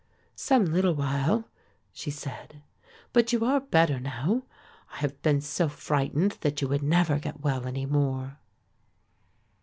"Some little while," she said, "but you are better now; I have been so frightened that you would never get well any more."